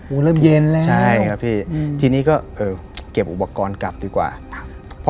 เริ่มเย็นแล้วใช่ครับพี่อืมทีนี้ก็เออเก็บอุปกรณ์กลับดีกว่าครับ